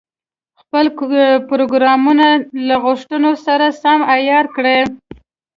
خپل پروګرامونه له غوښتنو سره سم عیار کړي.